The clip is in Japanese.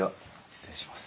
失礼します。